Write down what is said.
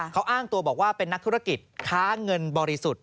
เขาอ้างตัวบอกว่าเป็นนักธุรกิจค้าเงินบริสุทธิ์